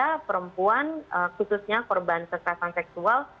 karena perempuan khususnya korban kekerasan seksual